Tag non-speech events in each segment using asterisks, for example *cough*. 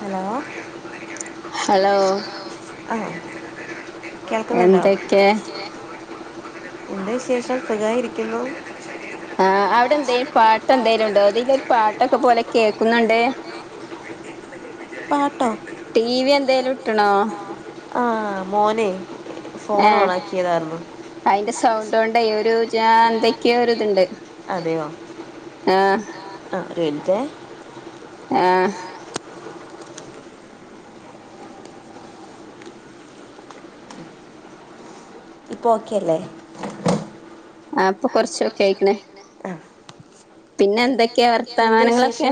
Hello hello ആ എന്തൊക്കെ എന്ത് വിശേഷം സുഖായി ഇരിക്കുന്നു ആ അവിടെ എന്തേലും പാട്ട് എന്തേലും ഉണ്ടോ ഇതിലൊരു പാട്ടൊക്കെ പോലെ കേൾക്കുന്നു കേൾക്കുന്നുണ്ട് പാട്ടോ ടീവി എന്തേലും ഇട്ടാണോ ആ മോനെ ഫോൺ ഓൺ ആക്കിയതാരുന്നു സൗണ്ട് കൊണ്ട് ഒരു എന്തൊക്കെയോ ഒരു ഇതുണ്ട് ആ ഒരു മിനിറ്റ് ആ ഇപ്പൊ ഓക്കേ അല്ലെ ഇപ്പോ കുറച്ചു ഓക്കേ ആയിക്കണ് പിന്നെ എന്തെക്കെ എന്തൊക്കെ വാർത്തമാനങ്ങളൊക്കെ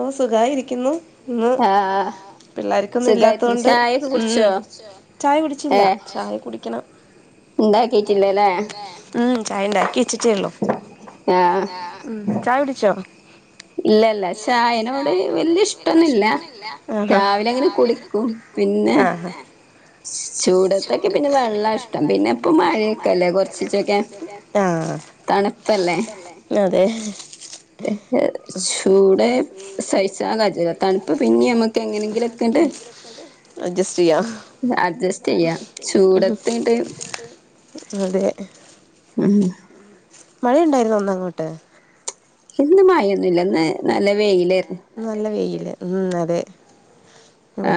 ഒ സുഖായിരിക്കുന്നു ഇന്ന് പിള്ളേര് ഇന്ന് ഇല്ലാത്ത കൊണ്ട് ചായ കുടിച്ചില്ല ചായ കുടിക്കണം *inaudible* ചായ ഇണ്ടാക്കി വെച്ചിട്ടേ ഉള്ളു ചായ കുടിച്ചോ ഇല്ലില്ല ചായനോട് വലിയ ഇഷ്ട്ടം ഒന്നുംമില്ല, രാവിലെ ഇങ്ങനെ കുടിക്കും *unintelligible* അഡ്ജസ്റ്റ് ചെയ്യാം അതെ മ് മഴയുണ്ടായിരുന്നോ അന്ന് അങ്ങോട്ട് ഇന്ന് മഴയൊന്നും നല്ല വെയിലാ മ്മ് അതെ ആ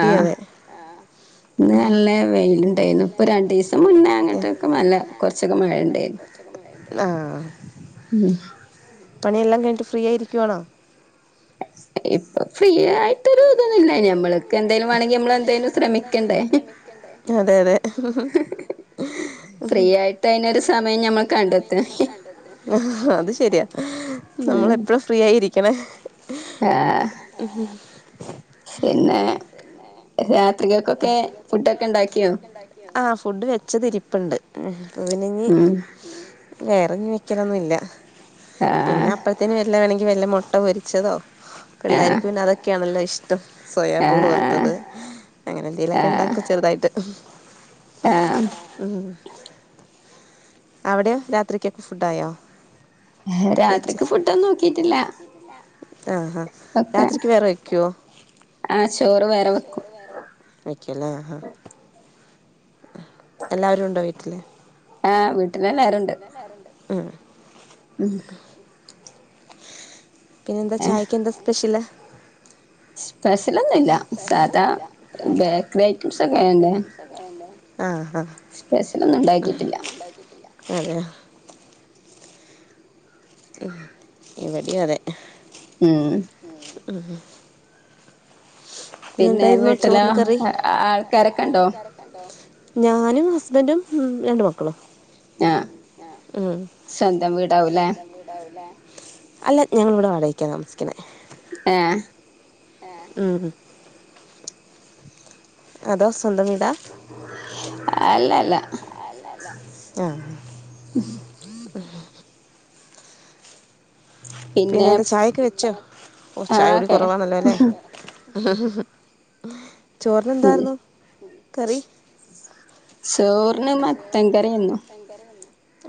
ന്നല്ലേ വെയ്ലുണ്ടായിന്നു ഇപ്പോ രണ്ടുസം മുന്നേ അങ്ങോട്ടേക്ക് നല്ല കുറച്ചൊക്കെ മഴ ഉണ്ടയിനു ആ മ് പണിയെല്ലാം കഴിഞ്ഞിട്ട് ഫ്രീ ആയിരിക്കുവാണോ ഇപ്പോ ഫ്രീയാ ആയിട്ട് രു തോന്നും ഇല്ലെനി അമ്മൾക്ക് എന്തേലും വേണേല് അമ്മള് ശ്രെമിക്കണ്ടേ അതെ അതെ *unintelligible* ആ അത് ശെരിയാ നമ്മള് എപ്പോഴും ഫ്രീ ആയിരിക്കണേ പിന്നെ രാ തൃക്കൊക്കെ ഫുഡ്‌ ഉണ്ടാക്കിയോ ഡ് വെച്ചത് ഇരിപ്പുണ്ട് *unintelligible* വേറൊന്നുവെയ്ക്കണോന്നില്ല പിന്നെ അപ്പോഴ്തേനും മാണെങ്കിൽ വല്ല മൊട്ടപൊരിച്ചതോ പിള്ളേര്ക്ക് പിന്നെ അതൊക്കെയാണല്ലോ ഇഷ് സോയബോള് വറുത്തത് അങ്ങനെന്തേലുമൊക്കെ ഇണ്ടാക്കും ചെറുതായിട്ട് *unintelligible* ആ അവടെയോ രാത്രിക്കേക്ക് ഫുഡ്‌ ആയോ രാത്രിക്ക് ഫുഡ്‌ ഒന്നും ആക്കിട്ടില്ല വെക്കേ ആ ചോറ് വേറെ വെക്കും വെയ്ക്കുലെ എല്ലാവരും ഉണ്ടോ വീ ല്ലെ ഏഹ് വീട്ടിലെല്ലാരുണ്ട്. അ ആ മ് പിന്നെന്താ ചായക്കെന്താ സ്പെഷ്യല് സ്പെഷ്യല് ഒന്നുല്ല സ്പെഷ്യലൊന്നു ഇല്ല സാധാ ബേക്കറി ഐറ്റംസൊക്കെ ആണ് സ്പെഷ്യലൊന്നുണ്ടാക്കീട്ടില്ല അതേ ഉം ഇവിടെ അതെ ഉം ആഹ് ഹാ പിന്നെ വീട്ടിലാ ആൾക്കാരെക്കെണ്ടോ ഞാനും ഹസ്ബൻഡും മു രണ്ട് മക്കളും ആ മു സ്വന്തം വിടവുല്ലേ അല്ല ഞങ്ങളിവിടെ വാടകയ്ക്കാ താമസിക്കണേ ഏഹ് ഏ ഉം ഹും അതോസ് അല്ലൽ ല്ല പിന്നെന്താ ചായൊക്കെ വെച്ചോ ആഹ് കേ ചോറിന് മട്ടൻ കറിയേന്നു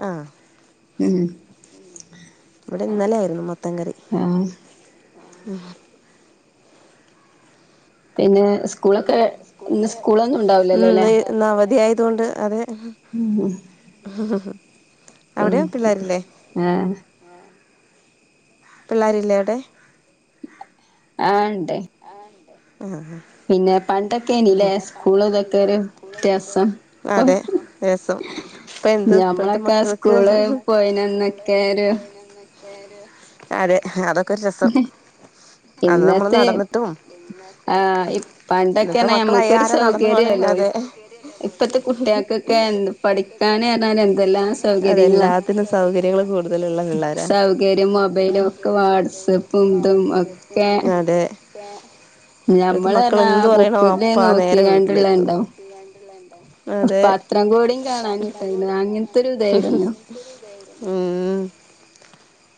ആഹ് ഉം ഇവിടെ ഇന്നലേയിരുന്നു മത്തൻ കറി ഉം പിന്നേ *inaudible* ഉം ഇന്ന് ഇന്നവധിയായത് തു കൊണ്ട് അതേ ഉം *unintelligible* ഏഹ് പിള്ളാരില്ലേ അവടെ ആൺ ണ്ടെ ആഹ് പിന്നേ പണ്ടൊക്കേനീലെ സ്കൂളുതൊക്കെ ഒരു വിത്യാസം ഇപ്പൊ ഞമ്മളൊക്കെ സ്കൂള് പോയീനന്നൊക്കെരു അതെ അതൊ ക്കര് രസം ഇന്നത്തെ ആ ഈ പണ്ടൊ ക്കെന്നെ ഞമ്മക്കൊരു സൗകര്യായല്ലൊ ഇ ഇപ്പത്തെ കുട്ട്യാക്കൊക്കെ എന്ത് പഠിക്കാനർഞ്ഞാല് എന്തെല്ലാം സൗകര്യങ്ങളാ സൗകര്യം മൊബൈലൊക്കെ വാട്സപ്പും തും ഒ അതെ ക്കെ ഞമ്മള്ർഞ്ഞാ ആ ബുക്ക്ത്തെ നോക്കിക്കാണ്ട് ഇള്ളെണ്ടാവും പത്രക്കൂടി കാണാൻ കിട്ടേല്ല അങ്ങൻത്തൊരു തേയ്രുന്നു ഉം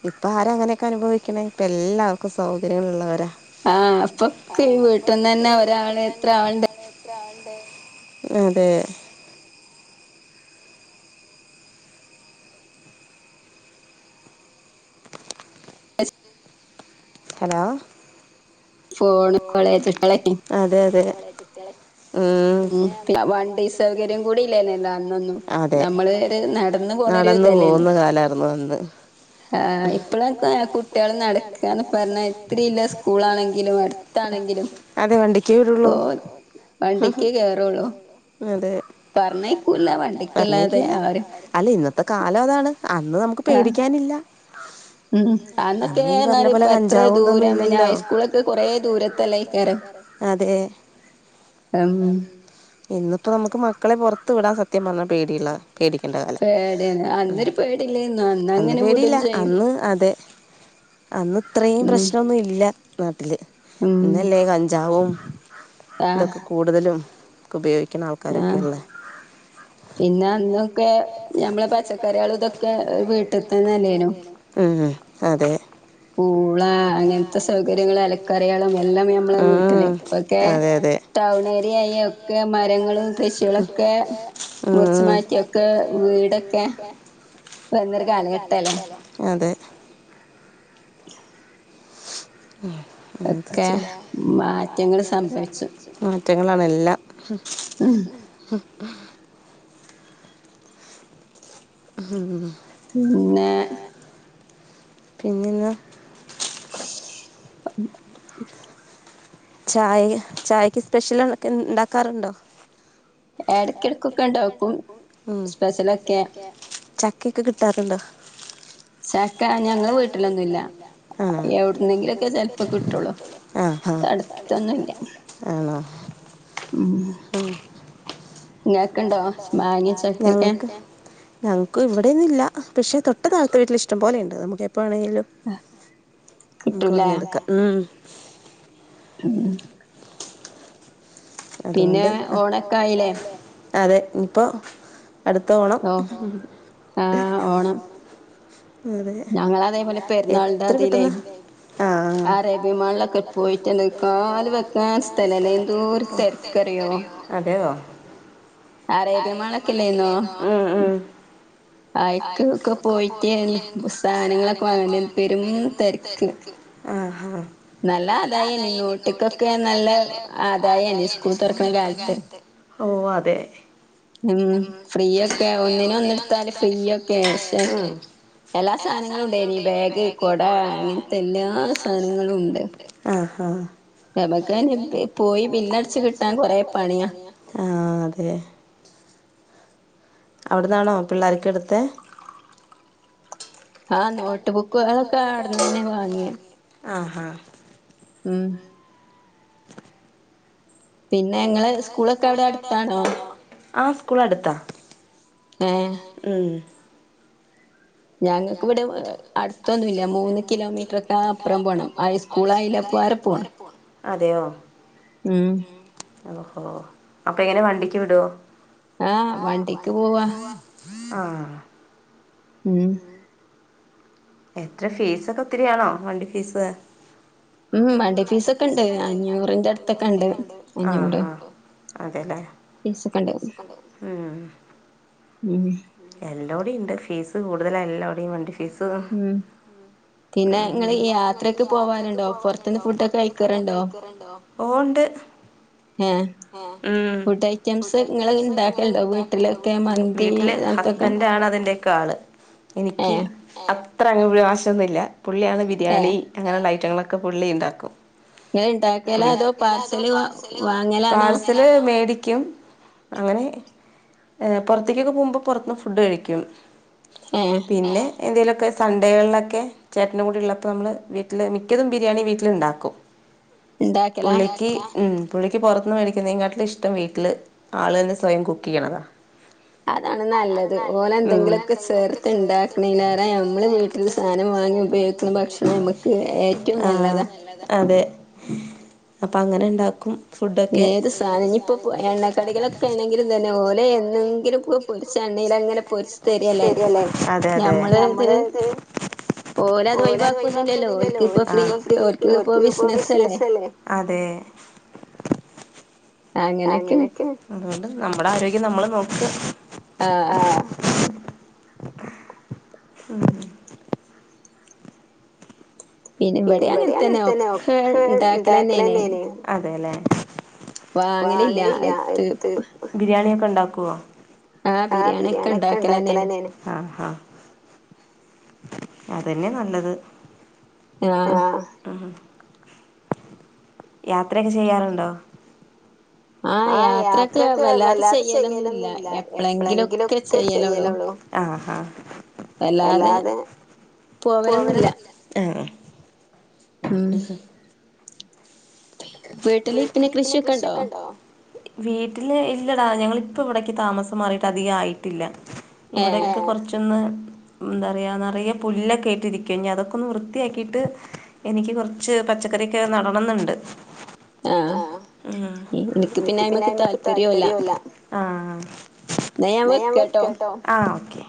ഇപ്പാരാ അങ്ങനെയൊക്കെ അനുഭവിക്ക്ന്നെ ഇപ്പല്ലാവർക്കും സൗകര്യങ്ങള് ഇള്ളവരാ ആ ഇപ്പൊക്കെ ഈ വീട്ട്ന്നന്നെ ഒരാ ഇപ്പം തന്നെ ഒരാള് എത്രായി ക്ക് അതെ ഹലോ ഫോണ് *unintelligible* കോളേജുട്ട്യള് ഉം വണ്ടി സൗകര്യം കൂടി ഇല്ലായിരുന്നല്ലോ അന്നൊന്നും നമ്മള് ര് നടന്ന് പോണൊരു തെല്ലയ്രുന്നോ ഹാ ഇപ്പളത്തെ കുട്ട്യൾ നടക്ക അതെ വണ്ടിക്കേ വരുള്ളൂ ഹും ക്കെ കേറുള്ളൂ പറഞ്ഞയ്ക്കൂല്ലാ വണ്ടിക്കെല്ലാതെ ആര് ത്ത കാലതാണ് അന്ന് നമുക്ക് പേടിക്കാനില്ല. അന്നൊക്കെ ലാ ന്നാലും പ്പം എത്ര ദൂരം പിന്നെ ഹൈസ്കൂളൊക്കെ കുറേ ദൂരത്തെല്ലെയ്ക്കാരം എം ത്ത് വിടാൻ സത്യം പറഞ്ഞാ പേടിയിലാ പേടിയ്നി അന്ന് ഒരു പേടില്ലേര്ന്നു അന്ന് അങ്ങനെ വിടും ചെയ്യും അന്ന് ഇത്രേം പ്രശ്ണം ഒന്നും ഇല്ല ന്ന് *unintelligible* ത് ഇന്നല്ലെ കഞ്ചാവും തൊക്കെ കൂടുതലും. ഉപയോഗി അ പിന്നെ അന്നൊക്കെ നമ്മളെ പച്ചക്കറികള് ഇതൊക്കെ വീട്ട്തന്നെഅല്ലെന്യോ അതെ പൂള അങ്ങൻത്തെ സൗകര്യങ്ങള് എലകറികളും എല്ലം നമ്മളേ വീട്ടില് പക്കെ തൗണെര്യായാ ഒക്കെ മരങ്ങള് തൃശൊലൊക്കെ മുർച്ച് മാറ്റി ഒക്കേ വീടൊക്കെ അതെ *inaudible* *inaudible* മാറ്റങ്ങളാണെല്ലാം *inaudible* തിന്നെ പിന്നിന്നാ *inaudible* ചായ് ചായക്ക് സ്പെഷ്യല് തൊകെ ണ്ടാക്കാരൂപണ്ടോ ഉം ചക്ക് ക്കക്കെ കിട്ടാറുണ്ടോ ആ അ ആ ആണോ ഞങ്ങക്ക് ഞങ്ങക്ക് ഇവിടൊന്നുല്ല പക്ഷെ തൊട്ട് താഴത്തെ വീട്ടില് ഇഷ്ട്ടം പോലെണ്ട് ആ നമുക്ക് പ്പാണെങ്കിലും ൻക്കവ്ന്നെടുക്ക ഉം *unintelligible* *inaudible* പിന്നേ ഓണെക്കെആയിലെ അതെ ൻപ്പം അട്ത്തെ ഓണം അതെ എത്ര കിട്ടുന്ന ആ അതെയോ അ റ്യേബ്യൻ മളൊക്കെ ഇല്ലേന്യോ അയ്ക്ക്ക്കെ പോയിട്ട് സനങ്ങളൊക്കെ വാങ്ങാൻ പെരും തെര്ക്ക് ആ ആ നല്ല ആതായേനി നോട്ട്ക്കൊക്കെ നല്ല ആതായേനി സ്കൂൾ തൊറ്ക്ക്ണെ കാലത് ഓഅതെ ഉം ഫ്രീയൊക്കെ ഒന്നിന് ഒന്ന്ട്താല് ഫ്രീയൊക്കെ അക്ഷേ എല്ലാ സാനങ്ങളുണ്ടായീനി ബാഗ് കൊട അങ്ങൻതെ എല്ലാ സാനങ്ങളുംണ്ട് അ ആ ആ അതെ അവിടന്നാണോ പിള്ളേർക്കെടുതെ ആ നോട്ട് ബുക്ക്‌ കളൊക്കെ അവിടെ ന്നന്നെ വാങ്ങി ആഹ് ഉം ആഹ് അടുത്താ ഉം ഞങ്ങൾക്കിവിടെ അടുത്തൊന്നും ഇല്ല മൂന്ന് കിലോമീറ്റർ അപ്പുറം പോണം ഹൈ സ്കൂൾ അതിലപ്പുറം പോണം അതെയോ ഉം ഹോ ഹോ അപ്പോം ങ്ങനെ വണ്ടിക്ക് വിടോ ആ വണ്ടിക്ക് പോക ആഹ് ഉം എത്ര ഫീസൊക്കെ ഒത്തിരി വേണോ വണ്ടി ഫീസ് വണ്ടി ഫീസൊക്കെ ഉണ്ട്. അഞ്ഞൂറിന്റെ അടുത്തൊക്കെ ണ്ട് ആ അധെല്ലേ ഫീസകണ്ട് എല്ലോടിം ണ്ട് ഫീസ് കൂടുതൽ എല്ലോടിം ഉം പിന്നെ നിങ്ങൾ യാത്ര ക്കെ പോകാറുണ്ടോ പുറത്തു നിന്ന് ഫുഡ്യൊക്കെ കഴിക്കാറുണ്ടോ ഓ ഇണ്ട് ഉം വീട്ടിൽ ഹുസ്ബൻഡ് ആണ് അതിന്റെ ഒക്കെ ആൾ *unintelligible* പുള്ളി ആദ്യം ബിരിയാണി അങ്ങനെ ഉള്ള ഐറ്റം ക്കെ പുള്ളി ണ്ടാക്കും പാർസൽ മേടിക്കും അങ്ങനെ ഏഹ് പുറത്തിക്ക് പോകുമ്പോ പുറത്തിന്ന് ഫുഡ്‌ കഴിക്കും പിന്നെ എന്തെലൊക്കെ സൺ‌ഡേ കളിലൊക്കെ ചേട്ടനും കൂടി ള്ളപ്പോൾ ബിരിയാണി മിക്കതും വീട്ടിൽ ണ്ടാക്കും പുള്ളിക്ക് ഉം പുള്ളിക്ക് പുറത്ത് ന്ന് മേടിക്കുന്നതിനേക്കാൾ ഇഷ്ടം വീട്ടിൽ ന്ന് ആളെന്നെ സ്വയം കുക്ക് ചെയ്യുന്നതാ അതാണ് നല്ലത് ഓൽ എന്തെങ്കിലും ഒക്കെ ചേർത്ത് ഉണ്ടാക്കണേലരെ നമ്മൾ വീട്ടിൽ സാധനം വാങ്ങി ഉപയോകിക്കുന്ന ഭക്ഷണം നമുക്ക് ഏറ്റവും നല്ലതാ അപ്പോ അങ്ങനെ ണ്ടാക്കും ഏത് സാധന ഇഞ് പ്പൊ എണ്ണ ക്കടികളായാലും ഓൽ എന്നെങ്കിലും ഒക്കെ പൊരിച്ച എണ്ണയിൽ പൊരിച്ചു തരല്ലേ ആ അതെ അങ്ങനെക്കെ അതോണ്ട് നമ്മടെ ആരോഗ്യം നമ്മള് ഒക്ക് ആഹ് ഉം പിന്നെ ഇവിടേം അങ്ങനെത്തന്നെ ഒക്കെ ഇതാക്കല് തന്നേണ് അതേല്ലേ. വാങ്ങലില്ല എത്ത് ബിരിയാണിയെ ണ്ടാക്കോ ആഹ് ബിരിയാണിക്ക ഇണ്ടാക്കല് തന്നേണ് ആഹാ അതന്നെ നല്ലത്. ഓ ഇം യാത്ര ഒക്കെ ചെയ്യാറുണ്ടോ? ആ യാത്രയൊക്കെവല്ലാതെ ചെയ്യാലൊന്നു ഇല്ല. എപ്പളെങ്കിലും ഒക്കെ ചെയ്യലൊള്ളൂ ആഹ് ആഹ് വല്ലാതെ പോവലൊന്നു ഇല്ല ഇം വീട്ടില് പിന്നെ കൃഷി ഒക്കെയെണ്ടോ? വീട്ടില് ഇല്ലടാ ഞങ്ങളിപ്പ ഇവിടേക്ക് താമസം മാറീട്ട് അധികം ആയിട്ടില്ല. ഇവിടേക്ക കുറച്ചൊന്ന് എന്താറിയാ നറയെ പുല്ലക്കായിട്ട് ഇരിക്കാ ഇഞ്ഞതൊക്കെ വൃത്തി ആക്കിട്ട് എനിക്ക് കുറച്ചു പച്ചക്കറിയൊക്കെ നടനംന്നെണ്ട്. ഓ മ് *unintelligible* അയിമ്മക്ക് താല്പര്യല്ല ന്നാ ഞാൻ വെക്കാട്ടോ ആ ഒക്കെ